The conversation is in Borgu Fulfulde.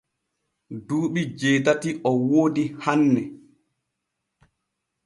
Duuɓi jeetati o woodi hanne.